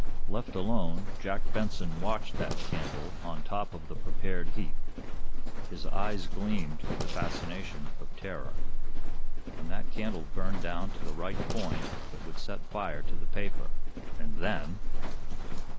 Left alone, Jack Benson watched that candle on top of the prepared heap. His eyes gleamed with the fascination of terror. When that candle burned down to the right point it would set fire to the paper, and then